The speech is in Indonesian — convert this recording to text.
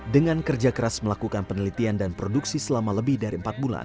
dengan kerja keras melakukan penelitian dan produksi selama lebih dari empat bulan